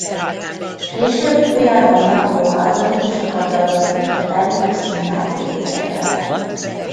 Később új elven alapuló algoritmusokat dolgozott ki a termikus szimuláció céljára.